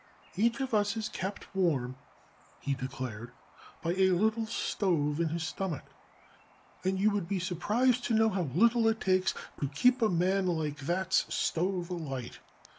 "Each of us is kept warm," he declared, "by a little stove in his stomach, and you would be surprised to know how little it takes to keep a man like that's stove alight.